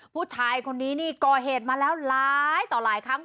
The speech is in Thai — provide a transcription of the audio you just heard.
ผู้ชายคนนี้นี่ก่อเหตุมาแล้วหลายต่อหลายครั้ง